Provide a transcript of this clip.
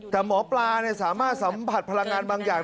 แต่หมอปลาสามารถสัมผัสพลังงานบางอย่าง